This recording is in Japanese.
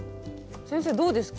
先生どうですか？